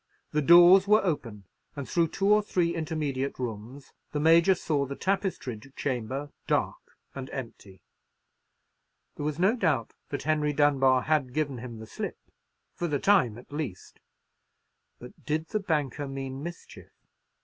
The doors were open, and through two or three intermediate rooms the Major saw the tapestried chamber, dark and empty. There was no doubt that Henry Dunbar had given him the slip—for the time, at least; but did the banker mean mischief?